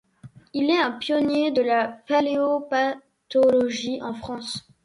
Il est un pionnier de la paléopathologie en France.